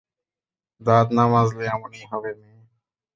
দাঁত না মাজলে এমনই হবে, মেয়ে।